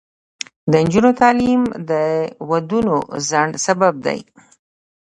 د نجونو تعلیم د ودونو ځنډ سبب دی.